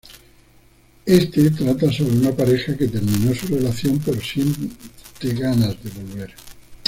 Este trata sobre una pareja que terminó su relación pero siente ganas de volver.